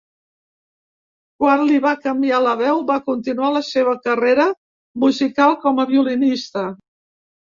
Quan li va canviar la veu va continuar la seva carrera musical com a violinista.